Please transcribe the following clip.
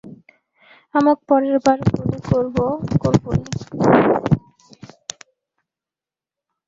আমক পরের বার গুলি করব, করবোই!